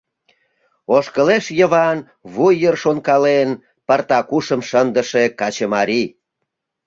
Ошкылеш Йыван, вуй йыр шонкален, пыртак ушым шындыше качымарий.